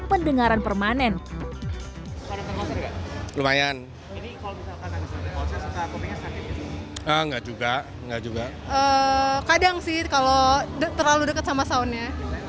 pendengaran permanen lumayan enggak juga enggak juga kadang sih kalau terlalu dekat sama soundnya